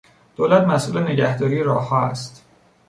دولت مسئول نگهداری راهها است.